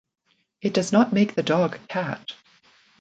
It does not make the dog a cat.